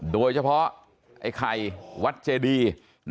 โดยเฉพาะไอ้ไข่วัดเจดี